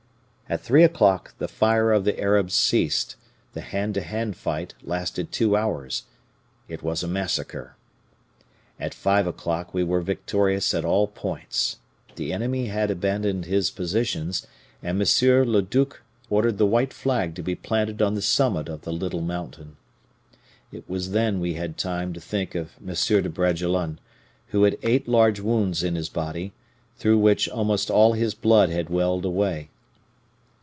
At three o'clock the fire of the Arabs ceased; the hand to hand fight lasted two hours; it was a massacre. At five o'clock we were victorious at all points; the enemy had abandoned his positions, and M. le duc ordered the white flag to be planted on the summit of the little mountain. It was then we had time to think of M. de Bragelonne, who had eight large wounds in his body, through which almost all his blood had welled away.